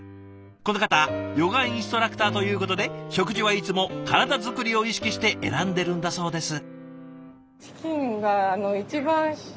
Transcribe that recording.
この方ヨガインストラクターということで食事はいつも体作りを意識して選んでるんだそうです。